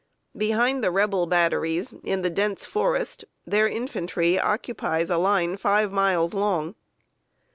Behind the Rebel batteries, in the dense forest, their infantry occupies a line five miles long.